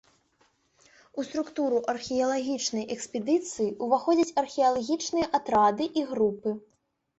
У структуру археалагічнай экспедыцыі ўваходзяць археалагічныя атрады і групы.